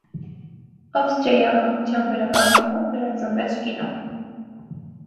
Ավստրիայի անկախության վերականգնումով վերածնվեց կինոն։